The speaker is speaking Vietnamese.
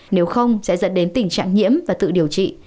nếu không sẽ dẫn đến tình trạng nhiễm và tự điều trị